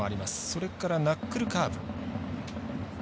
それからナックルカーブ。